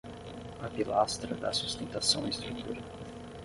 A pilastra dá sustentação à estrutura